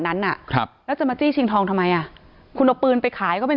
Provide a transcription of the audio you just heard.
นั้นอ่ะครับแล้วจะมาจี้ชิงทองทำไมอ่ะคุณเอาปืนไปขายก็เป็น